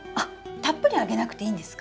たっぷりあげなくていいんですか？